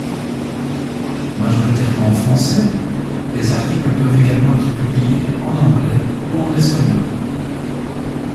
Majoritairement en français, les articles peuvent également être publiés en anglais ou en espagnol.